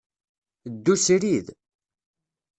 Ddu srid.